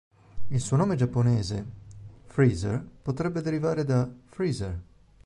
Il suo nome giapponese, フリーザー Freezer, potrebbe derivare da "freezer".